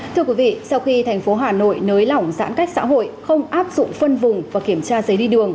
thưa quý vị sau khi thành phố hà nội nới lỏng giãn cách xã hội không áp dụng phân vùng và kiểm tra giấy đi đường